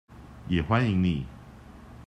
也歡迎你